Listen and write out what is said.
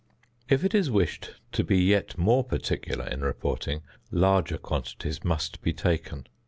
If it is wished to be yet more particular in reporting, larger quantities must be taken.